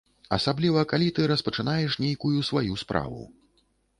Асабліва, калі ты распачынаеш нейкую сваю справу.